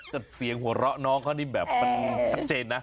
แต่เสียงหัวเราะน้องเขานี่แบบมันชัดเจนนะ